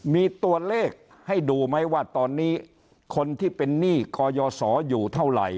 มีตัวเลขให้ดูไหมว่าตอนนี้คนที่เป็นหนี้กยศอยู่เท่าไหร่